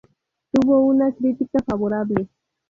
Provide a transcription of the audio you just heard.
Tuvo una crítica favorable.